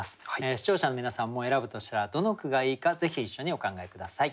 視聴者の皆さんも選ぶとしたらどの句がいいかぜひ一緒にお考え下さい。